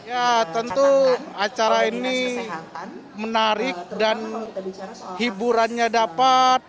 ya tentu acara ini menarik dan hiburannya dapat